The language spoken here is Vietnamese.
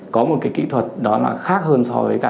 có một kỹ thuật khác hơn